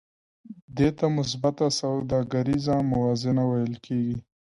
دې ته مثبته سوداګریزه موازنه ویل کېږي